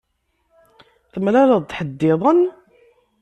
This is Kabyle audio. Temlaleḍ-d ḥedd-iḍen?